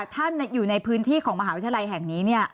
ท่านอยู่ในพื้นที่ของมหาวิทยาลัยแห่งนี้